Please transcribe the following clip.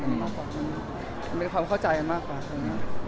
คือมีอะไรก็คุณพูดพูดเราไม่ค่อยสวบิย